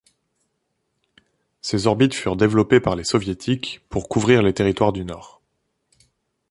Ces orbites furent développées par les Soviétiques pour couvrir les territoires du Nord.